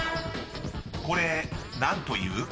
［これ何という？］